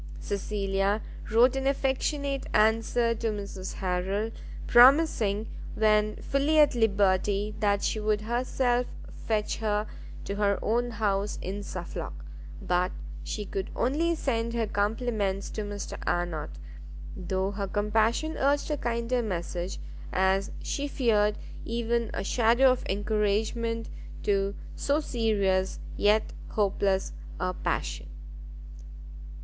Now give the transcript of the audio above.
Cecilia wrote an affectionate answer to Mrs Harrel, promising, when fully at liberty, that she would herself fetch her to her own house in Suffolk; but she could only send her compliments to Mr Arnott, though her compassion urged a kinder message; as she feared even a shadow of encouragement to so serious, yet hopeless a passion.